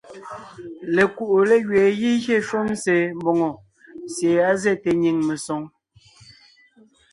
Lekuʼu légẅeen gígyé shúm se mbòŋo sie á zɛ́te nyìŋ mesoŋ.